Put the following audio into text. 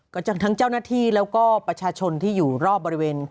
ทั้งเจ้าหน้าที่แล้วก็ประชาชนที่อยู่รอบบริเวณ